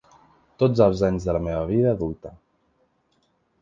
Tots els anys de la meva vida adulta.